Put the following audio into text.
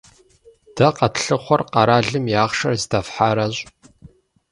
Дэ къэтлъыхъуэр къэралым и ахъшэр здэфхьаращ.